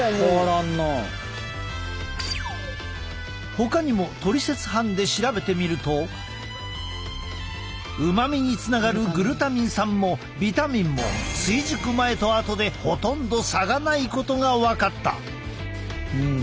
ほかにもトリセツ班で調べてみるとうまみにつながるグルタミン酸もビタミンも追熟前と後でほとんど差がないことが分かった。